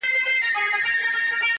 دیدن په لک روپۍ ارزان دی!.